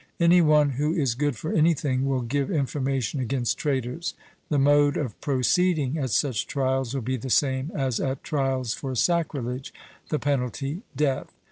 Any one who is good for anything will give information against traitors. The mode of proceeding at such trials will be the same as at trials for sacrilege; the penalty, death.